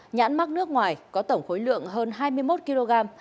nhãn mắc nước ngoài có tổng khối lượng hơn hai mươi một kg